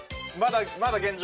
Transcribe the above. まだ現状